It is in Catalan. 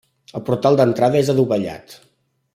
El portal d'entrada és adovellat.